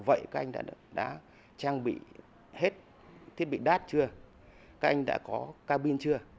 vậy các anh đã trang bị hết thiết bị đát chưa các anh đã có cabin chưa